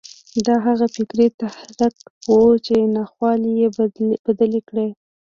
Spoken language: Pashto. دا هغه فکري تحرک و چې ناخوالې يې بدلې کړې.